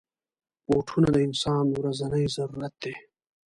بوټونه د انسان ورځنی ضرورت دی.